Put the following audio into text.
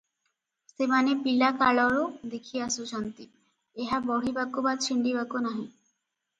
ସେମାନେ ପିଲାକାଳରୁ ଦେଖିଆସୁଛନ୍ତି, ଏହା ବଢ଼ିବାକୁ ବା ଛିଣ୍ତିବାକୁ ନାହିଁ ।